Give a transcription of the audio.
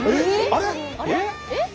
あれ？